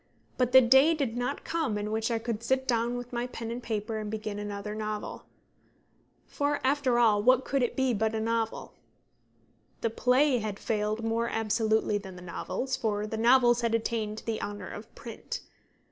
But the day did not come in which I could sit down with pen and paper and begin another novel. For, after all, what could it be but a novel? The play had failed more absolutely than the novels, for the novels had attained the honour of print.